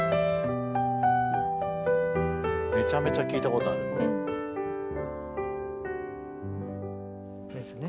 めちゃめちゃ聞いたことある。ですね？